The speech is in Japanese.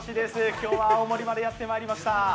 今日は青森までやってまいりました。